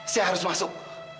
saya harus masuk